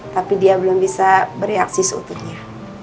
tapi dia belum bisa bereaksi seutuhnya